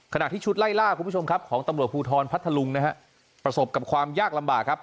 ขณะที่ชุดไล่ล่าของตำรวจภูทรพัทธลุงนะครับประสบกับความยากลำบากครับ